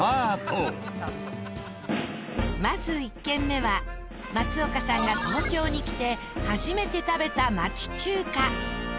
まず１軒目は松岡さんが東京に来て初めて食べた町中華。